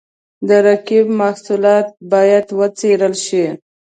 د رقیب محصولات باید وڅېړل شي.